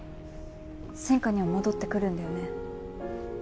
専科には戻ってくるんだよね？